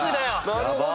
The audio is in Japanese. なるほど。